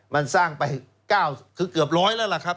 มันสร้างไป๙คือเกือบร้อยแล้วล่ะครับ